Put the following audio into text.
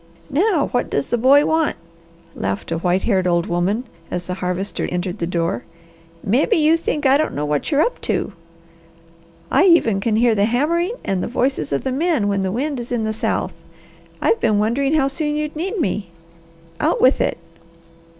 "Now what does the boy want?" laughed a white haired old woman, as the Harvester entered the door. "Mebby you think I don't know what you're up to! I even can hear the hammering and the voices of the men when the wind is in the south. I've been wondering how soon you'd need me. Out with it!"